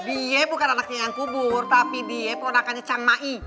dia bukan anaknya yang kubur tapi dia produkannya changmai